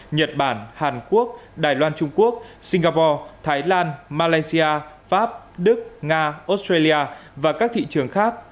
nhật bản hàn quốc đài loan trung quốc singapore thái lan malaysia pháp đức nga australia và các thị trường khác